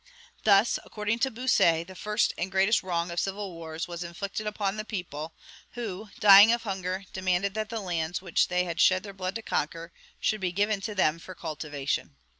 Thus, according to Bossuet, the first and greatest wrong of civil wars was inflicted upon the people, who, dying of hunger, demanded that the lands, which they had shed their blood to conquer, should be given to them for cultivation.